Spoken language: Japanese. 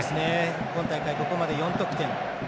今大会、ここまで４得点。